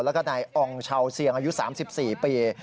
แล้วก็นายอองชาวเสียงอายุ๓๔ปี